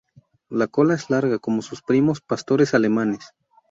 La cola es larga como sus primos pastores alemanes.